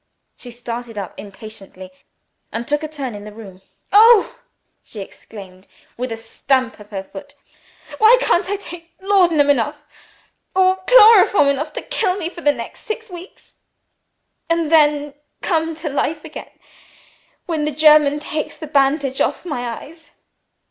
She started up impatiently, and took a turn in the room. "Oh!" she exclaimed, with a stamp of her foot, "why can't I take laudanum enough, or chloroform enough to kill me for the next six weeks and then come to life again when the German takes the bandage off my eyes!"